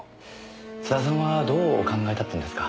津田さんはどうお考えだったんですか？